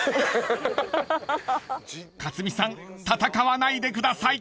［克実さん戦わないでください］